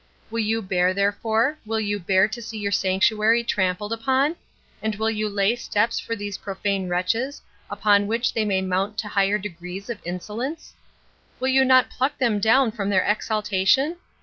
Will you bear, therefore, will you bear to see your sanctuary trampled on? and will you lay steps for these profane wretches, upon which they may mount to higher degrees of insolence? Will not you pluck them down from their exaltation?